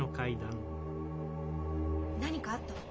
何かあったの？